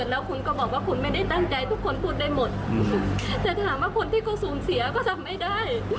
แล้วคุณก็บอกว่าคุณไม่ได้ตั้งใจทุกคนพูดได้หมดแต่ถามว่าคนที่เขาสูญเสียก็ทำไม่ได้